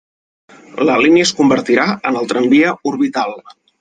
La línia es convertirà en el Tramvia Orbital.